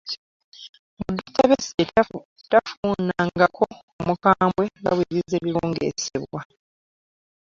Mbu dokita Besigye tafunangako Omukambwe nga bwe bizze bibungeesebwa